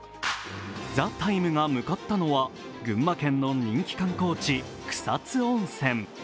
「ＴＨＥＴＩＭＥ，」が向かったのは群馬県の人気観光地・草津温泉。